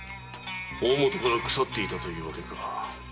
大本から腐っていたというわけか。